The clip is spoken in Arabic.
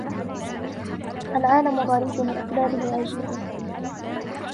الْعَالِمِ غَرِيبٌ وَإِقْلَالَهُ عَجِيبٌ